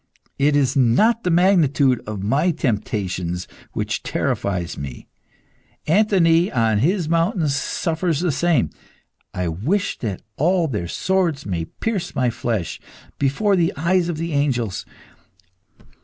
It is not the magnitude of my temptations which terrifies me. Anthony, on his mountain, suffers the same. I wish that all their swords may pierce my flesh, before the eyes of the angels.